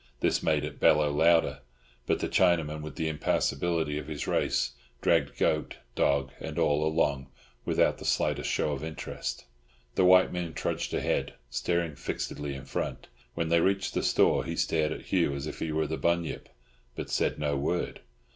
This made it bellow louder; but the Chinaman, with the impassibility of his race, dragged goat, dog, and all along, without the slightest show of interest. The white man trudged ahead, staring fixedly in front; when they reached the store he stared at Hugh as if he were the Bunyip, but said no word.